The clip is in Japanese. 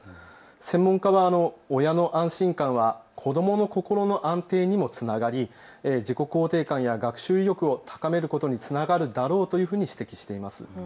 専門家は親の安心感は子どもの心の安定にもつながり自己肯定感や学習意欲を高めることにつながるだろうというふうに指摘しています。